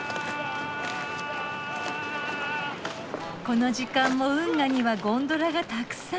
この時間も運河にはゴンドラがたくさん。